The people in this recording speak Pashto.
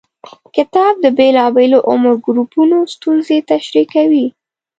کتاب د بېلابېلو عمر ګروپونو ستونزې تشریح کوي.